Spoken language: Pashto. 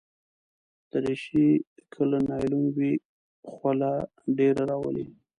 دریشي که له نایلون وي، خوله ډېره راولي.